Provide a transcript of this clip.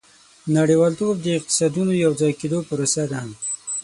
• نړیوالتوب د اقتصادونو د یوځای کېدو پروسه ده.